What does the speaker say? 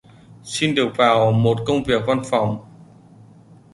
Xin được vào một công việc văn phòng